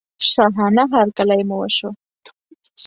شاهانه هرکلی مو وشو.